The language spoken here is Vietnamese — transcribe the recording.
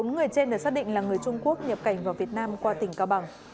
bốn người trên được xác định là người trung quốc nhập cảnh vào việt nam qua tỉnh cao bằng